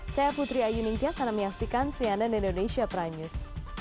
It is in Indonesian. saya putri ayu ningtya sana menyaksikan cnn indonesia prime news